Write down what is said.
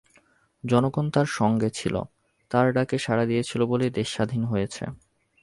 জনগণ তাঁর সঙ্গে ছিল, তাঁর ডাকে সাড়া দিয়েছিল বলেই দেশ স্বাধীন হয়েছে।